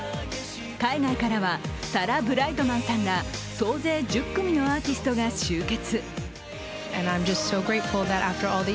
海外からはサラ・ブライトマンさんら総勢１０組のアーティストが集結。